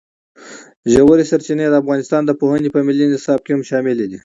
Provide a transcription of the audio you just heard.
ژورې سرچینې د افغانستان د پوهنې په ملي نصاب کې هم شامل دي.